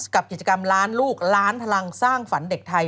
กับกิจกรรมล้านลูกล้านพลังสร้างฝันเด็กไทย